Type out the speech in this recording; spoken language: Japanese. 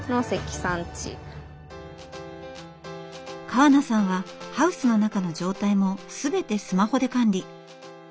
川名さんはハウスの中の状態も全てスマホで管理。